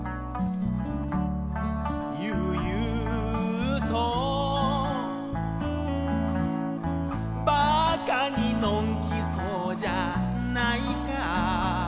「ゆうゆうと」「馬鹿にのんきそうじゃないか」